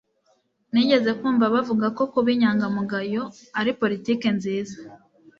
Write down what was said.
nigeze kumva bavuga ko kuba inyangamugayo ari politiki nziza